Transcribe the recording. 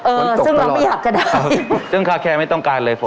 เออซึ่งเราไม่อยากจะด่าซึ่งคาแคร์ไม่ต้องการเลยผม